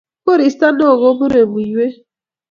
Koristo neo kopire puiwet.